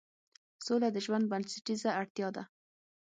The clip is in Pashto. سوله د ژوند بنسټیزه اړتیا ده